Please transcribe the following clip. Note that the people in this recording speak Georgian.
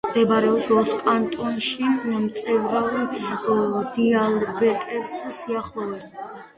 მდებარეობს ვოს კანტონში, მწვერვალ დიალბერეტის სიახლოვეს.